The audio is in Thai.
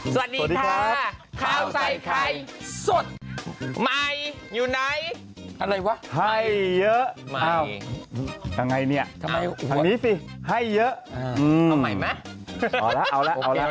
สวัสดีครับข้าวใส่ไข่สุดไม่อยู่ในอะไรวะให้เยอะอ้าว